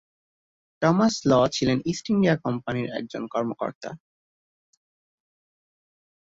Thomas Law ছিলেন East India কোম্পানির একজন কর্মকর্তা।